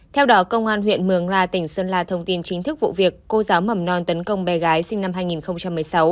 theo đó công an huyện mường la tỉnh sơn la thông tin chính thức vụ việc cô giáo mầm non tấn công bé gái sinh năm hai nghìn một mươi sáu